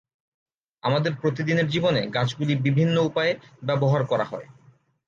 আমাদের প্রতিদিনের জীবনে গাছগুলি বিভিন্ন উপায়ে ব্যবহার করা হয়।